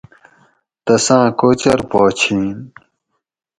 تساۤں کوچر پا چھین